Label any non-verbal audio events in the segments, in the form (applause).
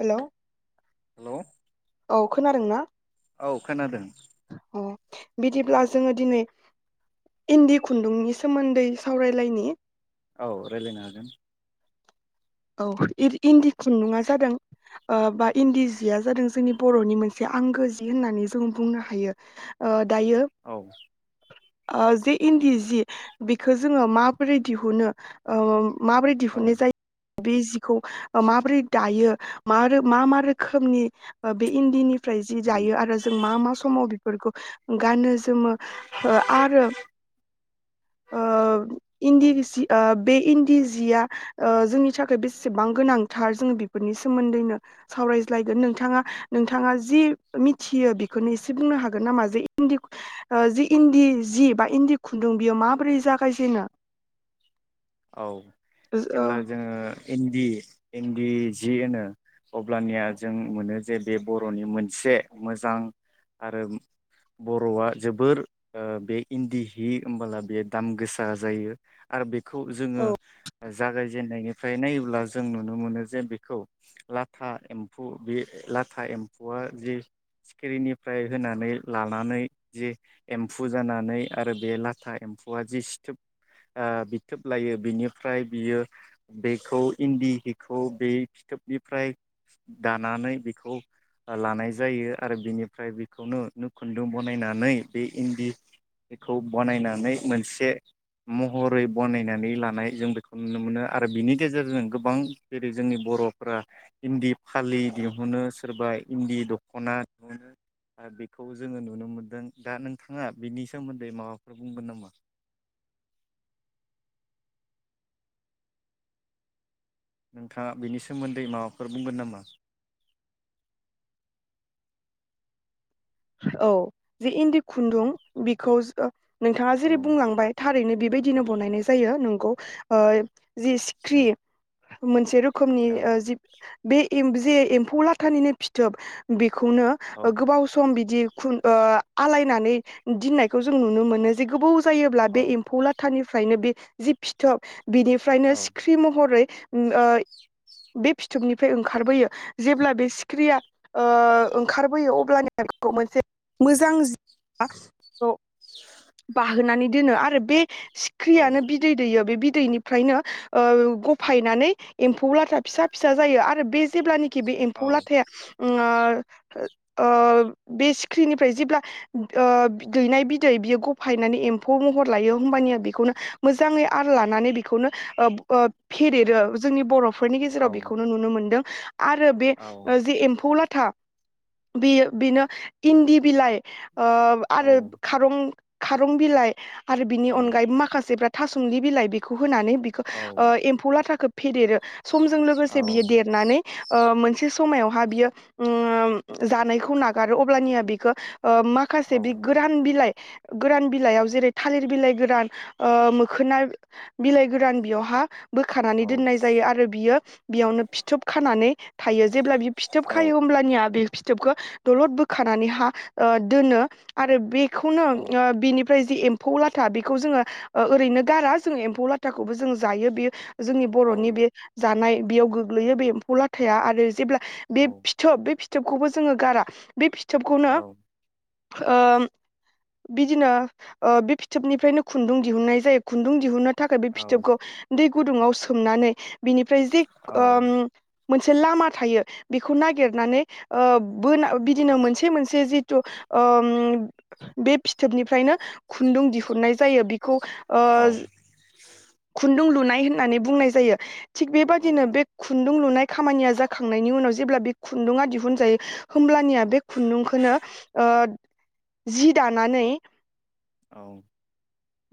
Hello hello औ खोनादों ना औ खोनादों अ बिदिब्ला जोङो दिनै इन्दि खुन्दुंनि सोमोन्दै सावरायलायनायनि औ राय्लायनो हागोन औ इन्दि खुन्दुङा जादों बा इन्दि जिया जादों जोंनि बर'नि मोनसे आंगो जि होननानै जों बुंनो हायो दायो औ जे इन्दि जि बेखौ जोङो माबोरै दिहुनो माबोरै औ दिहुननाय जायो बे जिखौ माबोरै दायो मा मा रोखोमनि बे इन्दिनि फ्राय जि उम दायो आरो जों मा मा समाव फोरखौ गानो जोमो आरो ओ औ इन्दि रोसि ओ बे इन्दि जिया ओ जोंनि थाखाय बेसेबां गोनांथार जोङो बेफोरनि सोमोन्दैनो सावरायज्लायगोन नोंथाङा नोंथाङा जि मिथियो बेखौनो एसे बुंनो हागोन नामा जे इन्दि जि इन्दि जि बा इन्दि खुन्दुं बियो माबोरै जागायजेनो औ जेब्ला जोङो इन्दि इन्दि जि होनो अब्लानिया जों मोनो जे बे बर'नि मोनसे मोजां आरो बर'आ जोबोर ओ बे इन्दि हि होमबला बेयो दाम गोसा जायो आरो बे खौ जोङो ओ जागायजेननाय फ्राय नायोब्ला जों नुनो मोनो जे बेखौ लाथा एम्फौ बे लाथा एम्फौआ जि सिखिरिनिफ्राय होनानै लानानै जि एम्फौ जानानै आरो बे लाथा एम्फौआ जि सिथोब आ फिथोब लायो बिनिफ्राय बियो बेखौ इन्दि हिखौ बे फिथोबनिफ्राय दानानै बेखौ लानाय जायो आरो बिनिफ्राय बेखौनो खुन्दुं बनायनानै बे इन्दिखौ बनायनानै मोनसे महरै बनायनानै लानाय जों बेखौ नुनो मोनो आरो बिनि गेजेरजों गोबां जेरै जोंनि बर'फोरा इन्दि फालि दिहुनो सोरबा इन्दि दख'ना दिहुनो बेखौ जोङो नुनो मोन्दों दा नोंथाङा बिनि सोमोन्दै माबाफोर बुंगोन नामा? नोंथाङा बेनि सोमोन्दै माबाफोर बुंगोन नामा? औ जे इन्दि खुन्दुं बेखौ नोंथाङा औ जेरै बुंलांबाय थारैनो बिबाय दिनो बनायनाय जायो नोंगौ ओ। जि औ सिख्रि मोनसे रो खोमनि औ ओ जिब बे एम जे एम्फौ लाथानिनो फिथोब बे खौनो ओ गोबाव सम सम बिदि खुन ओ आल गायनानै दाननायखौ जों नुनो मोनो जे गोबाव जायोब्ला बे औ एम्फौ लाथानि फ्रायनो बे जि फिथोब बिनिफ्रायनो औ सिख्रि महरै ओ बे फिथोबनिफ्राय ओंखारबोयो जेब्ला बे सिख्रिया ओ ओंखारबोयो अब्लानि खौ मोनसे (unintelligible) मोजां बाहोनानै दोनो आरो बे औ सिख्रियानो बिदै दैयो बे बिदैनिफ्रायनो ओ गफायनानै एम्फौ लाथा फिसा फिसा जायो आरो बे जेब्लानि खि बे एम्फौ औ लाथाया उम आ ओ बे सिख्रिनिफ्राय जेब्ला आ दैनाय बिदै बियो गफायनानै एम्फौ महर लायो होमबानिया बेखौनो मोजाङै आरो लानानै बेखौनो ओ ओ फेदेरो जोंनि बर' फोरनि गेजेराव औ बेखौनो नुनो मोन्दों। आरो बे औ जि एम्फौ ला था बियो बिनो इन्दि बिलाइ ओ औ आरो खारं खारं बिलाइ आरो औ बिनि अनगायैबो माखासेफ्रा थासंनि बिलाइ बेखौ होनानै बिखौ औ ओ एम्फौ लाथाखौ फेदेरो समजों औ लोगोसे बियो देरनानै ओ मोनसे मोनसे समायावहा बियो जानायखौ नागार गारो अब्लानिया बेखौ ओ औ माखासे बे गोरान बिलाइ गोरान बिलाइयाव जेरै थालिर बिलाइ गोरान ओ मोखोना बिलाइ गोरान बेयावहा औ बोखानानै दोननाय जायो आरो बियो बेयावनो फिथोब खानानै थायो जेब्ला बियो फिथोब खायो होमब्लानिया बे फिथोबखौ दलद बोखानानै हा ओ दोनो आरो बे बेखौनो औ ओ बिनि ओमफ्राय जि एम्फौ लाथा बेखौ जोङो ओरैनो गारा जोङो एम्फौ लाथाखौबो जों जायो बेयो जोंनि औ बरनि बे जानाय बेयाव गोग्लैयो बे एम्फौ लाथाया आरो जे बे फिथोब बे फि फिथोबखौबो जोङो गारा (inaudible) बे फिथोबखौनो ओ बिदिनो बे फिथोबनिफ्रायनो खुन्दुं दिहुननाय जायो खुन्दुं दिहुननो थाखाय बे फिथोबखौ दै गुदुंङाव सोमनानै बिनिफ्राय जि औ ओ मोनसे लामा थायो बेखौ नागिरनानै ओ बो बिदिनो मोनसे मोनसे जिथु ओ बे फिथोबनिफ्रायनो खुन्दुं दिहुननाय जायो खौ ओ खुन्दुं लुनाय होननानै बुंनाय जायो थिग बेबायदिनो बे खुन्दुं लुनाय खामानिया जाखांनायनि उनाव जेब्ला बे खुन्दुङा दिहुनजायो होमब्लानिया बे खुन्दुंखौनो ओ जि दानानै औ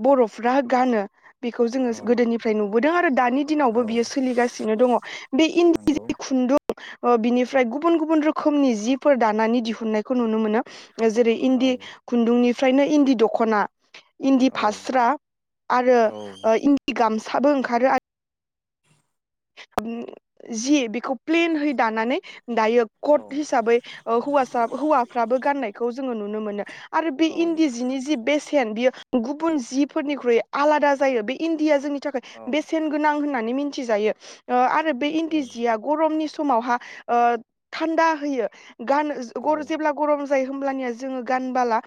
बर'फ्रा गानो बेखौ जोङो गोदोनिफ्राय नुब बोदों आरो दानि औ दिनावबो बियो सोलिगासिनो दङ बे इन्दि नंगौ जि खुन्दुं ओ बिनिफ्राय गुबुन गुबुन रोखोमनि जि जिफोर दानानै दिहुननायखौ नुनो मोनो जेरै औ इन्दि खुन्दुंनि फ्रायनो इन्दि दख'ना इन्दि औ फास्रा आरो औ इन्दि गामसा साबो ओंखारो आरो ओम जि बेखौ प्लेनहै दानानै दायो औ कट हिसाबै हौवासा हौवाफ्राबो गाननायखौ जोङो नुनो मोनो आरो औ बे इन्दि जिनि जि बेसेन बियो गुबुन जिफोरनिख्रुइ आलादा जायो बे इनदिया जोंनि थाखाय औ बेसेन गोनां होननानै नानै मिथिजायो आ आरो आरो बे इन्दि जिया गरमनि सम समावहा ओ थान्दा होयो गानो गर' जेब्ला गरम ज होमबनिया जोङो गानबोला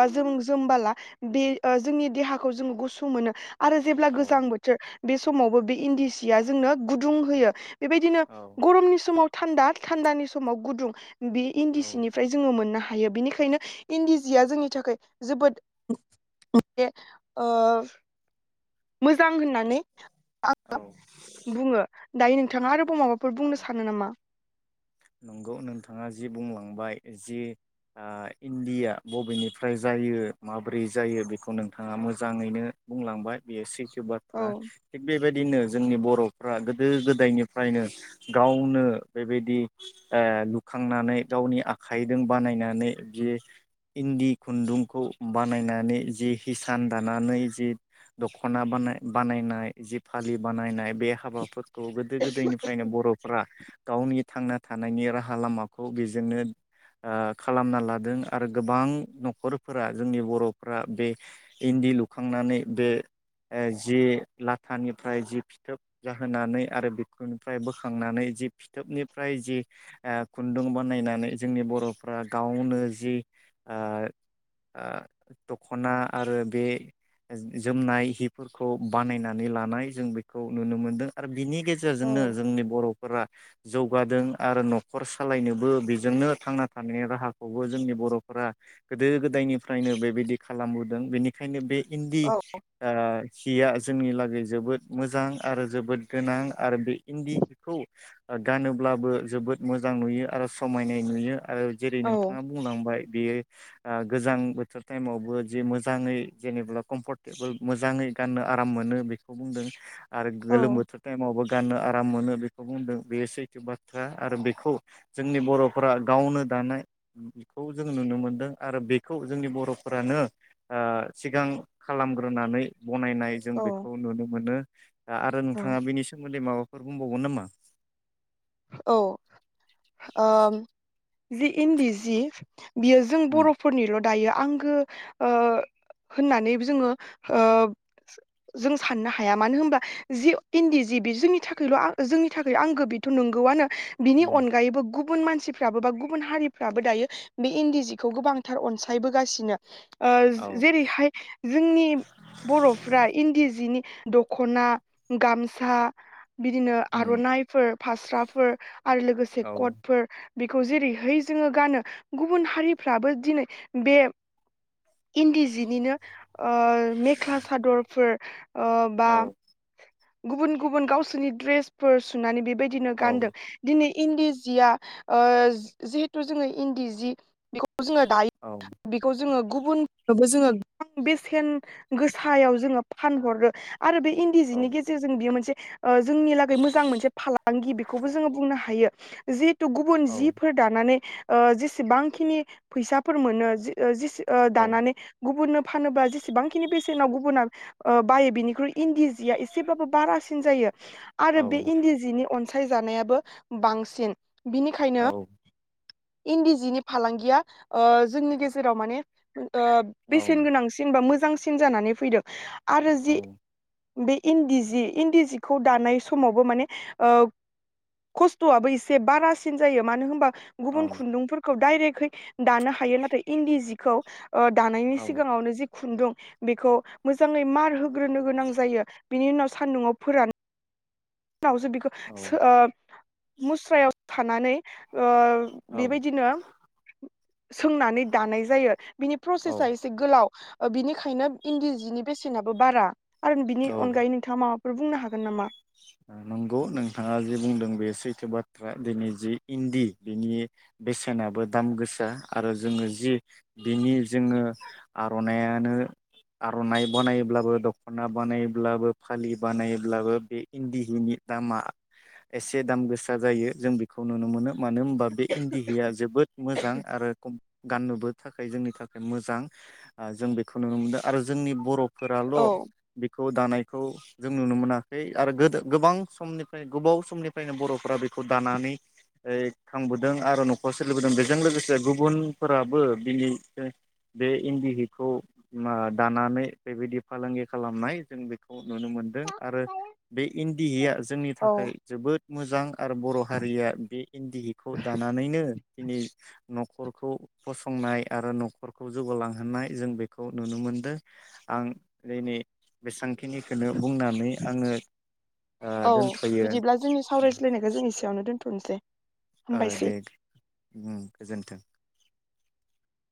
बा जों जोमबोला बे जोंनि देहाखौ जों गुसु मोनो आरो जेब्ला औ गोजां बोथोर बे समावबो बे इन्दि सिया जोंनो गुदुं होयो बेबायदिनो गरमनि समाव थान्दा थान्दानि समाव गुदुं बे इन्दि सिनिफ्राय जोङो मोननो हायो हायो बिनिखायनो इन्दि जिया जोंनि थाखाय जोबोद मोनसे मोजां होननानै औ बुङो दायो नोंथाङा आरो माबाफोर औ बुंनो सानो नामा? नंगौ नोंथाङा जि बुंलांबाय जि ओ इण्डिया बबेनिफ्राय जायो माबोरै जायो बेखौ नोंथाङा मोजाङैनो बुंलांबाय बेयो सैथो औ बाथ्रा थिग बेबायदिनो जोंनि बर' फोरा गोदो गोदायनिफ्रायनो गावनो बेबायदि ओ लुखांनानै गावनि आखाइजों बानायनानै जि इन्दि खुन्दुंखौ बानायनानै जि हिसान दानानै जि दख'ना बानाय बानायनाय जि फालि बानायनाय बे हाबाफोर खौ गोदो गोदायनिफ्रायनो बर'फ्रा गावनि थांना थानायनि राहा लामाखौ बेजोंनो आ खालामना लादों आरो गोबां न'खरफोरा जोंनि बर'फोरा बे इन्दि लुखांनानै बे जि लाथानिफ्राय जि फिथोब जाहोनानै आरो बेफोरनिफ्राय बोखांनानै जि फिथोबनिफ्राय जि ओ खुन्दुं बानायनानै जोंनि बर'फ्रा गावनो जि आ आ दखना आरो बे जोमनाय हिफोरखौ बानायनानै लानाय जों बेखौ नुनो मोनदों आरो बिनि औ गेजेरजोंनो जोंनि बर'फोरा जौगादों आरो न'खर सालायनोबो बेजोंनो थांना थानायनि राहाखौबो जोंनि बर'फोरा गोदो गोदायनिफ्रायनो बेबायदि खालामबोदों बेनि खायनो बे इन्दि औ आ हिया जोंनि लागै जोबोद मोजां आरो जोबोद गोनां आरो बे इन्दि हिखौ गानोब्लाबो जोबोद मोजां नुयो आरो समायनाय नुयो आरो जेरै औ नोंथाङा बुंलांबाय बेयो ओ गोजां बोथोर टाइमावबो जे मोजाङै जेनेबा कम्फर्टेबोल मोजाङै गाननो आराम मोनो बेखौ बुंदों आरो गोलोम औ बोथोर टाइमावबो गाननो आराम मोनो बेखौ बुंदों बेयो सैथ' बा थ्रा आरो बेखौ जोंनि बर'फोरा गावनो दानाय बेखौ जों नुनो मोनदों आरो बेखौ जोंनि बर'फोरानो आ सिगां खालाम ग्रोनानै बनायनाय जों बेखौ औ नुनो मोनो। (inaudible) दा आरो नोंथाङा बेनि सोमोन्दै माबा फोर बुंबावगोन नामा? औ ओ जि इन्दि जि बियो जों उम बर'फोरनिल' दायो आंगो ओ होननानै जोङो आ जों साननो हाया मानो होनबा जि इन्दि जि बि जोंनि थाखायल' जोंनि थाखाय आंगो बे थ' नंगौआनो बिनि उम अनगायैबो गु बुन मानसिफ्राबो बा गुबुन हारिफ्राबो दायो बे इन्दि जिखौ गोबांथार अनसायबोगासिनो ओ औ जेरैहाय जोंनि बर'फ्रा इन्दि जिनि दखना गामसा बिदिनो उम आर'नाइफोर स्राफोर आरो लोगोसे औ कटफोर बेखौ जेरैहाय जोङो गानो गुबुन हारिफ्राबो दिनै बे इन्दि जिनिनो ओ मेख्ला सादरफोर ओ बा औ गुबुन गुबुन गावसोरनि ड्रेसफोर सुनानै बेबाय दिनो औ गानदों दिनै इन्दि जिया आ जिहेथु जोङो इन्दि जि बेखौ जोङो दायो बेखौ जोङो गुबुननोबो जोङो गोबां बेसेन गोसायाव जोङो फानहरो आरो बे इन्दि जिनि औ गेजेरजों बियो मोनसे (inaudible) ओ जोंनि लागै मोजां मोनसे फाला बेखौबो जोङो बुंनो हायो जि थ गुबुन औ जिफोर दानानै ओ जेसेबांखिनि फैसाफोर मोनो ओ औ दानानै गुबुन फानोबा जेसेबांखिनि बेसेनाव गुबुना बायो ओ बेनिख्रुइ इन्दि जिया एसेब्लाबो बारासिन जायो। आरो बे औ इन्दि जिनि अनसायजानायाबो बांसिन बिनिखायनो औ इन्दि जिनि फालांगिया ओ जोंनि गेजेराव माने ओ औ बेसेन गोनांसिन बा मोजां मोजांसिन जानानै फैदों आरो औ जि बे इन्दि जि इन्दि जिखौ दानाय समावबो माने ओ खस्थ आबो एसे बारासिन जायो मानो होनबा गुबुन खुन्दुंफोरखौ डाइरेक्टहै दानो हायो नाथाय इन्दि जिखौ ओ दानायनि औ सिगाङावनो जि खुन्दुं बेखौ मोजाङै मार होग्रोनो गोनां जायो बिनि उनाव सान्दुंआव फोरान उनावसो बेखौ ओ मुस्रायाव थानानै ओ औ बेबायदिनो सोंनानै दानाय जायो। बिनि औ प्रसेसा एसे गोलाव। बिनिखायनो इन्दि जिनि बेसेनाबो बारा। आरो बिनि औ अनगायै नोंथाङा मा फोर बुंनो हागोन नामा? नंगौ नोंथाङा जि बुंदों बे सैथो बाथ्रा दिनै जि इन्दि बिनि बेसेनाबो दाम गोसा आरो जोङो जि बिनि जोङो आरनायानो आरनाइ बानायोब्लाबो दखना बानायोब्लाबो फालि बानायोब्लाबो बे इन्दि हिनि दामा एसे दाम गोसा जायो जों बेखौ नुनो मोनो। मानो होनबा बे इन्दि हिया जोबोद मोजां आरो गाननोबो थाखाय जोंनि थाखाय मोजां जों बेखौ नुनो मोनदों आरो जोंनि बरफोराल औ बेखौ दानाय खौ जों नुनो मोनाखै। आरो गोदो गोबां समनिफ्राय गोबाव समनिफ्रायनो बर'फोरा बेखौ दानानै यै खांबोदों आरो न'खर सोलिबोदों बेजों लोगोसे गुबुनफोराबो बिनै बे इन्दि हिखौ दानानै बेबायदि फालांगि खालामनाय जों बेखौ नुनो मोनदों आरो। बे इन्दि हिया जोंनि औ थाखाय जोबोद मोजां आरो बर' हारिया बे इन्दि हिखौ दानानैनो दिनै न'खरखौ फसंनाय आरो न'खरखौ जौगालांहोनाय जों बेखौ नुनो मोनदों आं दिनै बेसेबांखिनिखौनो बुंनानै आङो। ओ औ दोनथ'यो बिदिब्ला जोंनि सावरायज्लायनायखौ जों एसेयावनो दोन थ'नोसै। ओ दे उम गोजोन्थों।